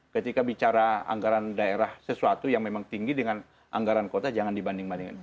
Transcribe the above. ketika bicara anggaran daerah sesuatu yang memang tinggi dengan anggaran kota jangan dibanding bandingkan